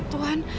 bu ya tuhan